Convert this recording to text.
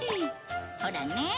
ほらね。